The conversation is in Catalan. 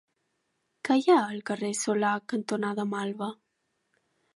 Què hi ha al carrer Solà cantonada Malva?